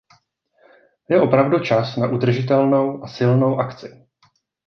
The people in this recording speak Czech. Je opravdu čas na udržitelnou a silnou akci.